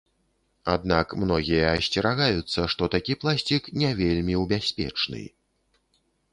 Аднак многія асцерагаюцца, што такі пластык не вельмі ў бяспечны.